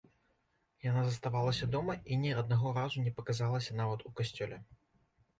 Яна заставалася дома і ні аднаго разу не паказалася нават у касцёле.